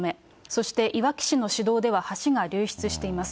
そしていわき市の市道では橋が流出しています。